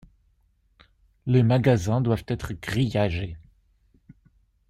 Les magasins doivent être grillagés.